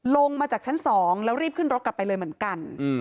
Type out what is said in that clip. ลงมาจากชั้น๒แล้วรีบขึ้นรถกลับไปเลยเหมือนกัน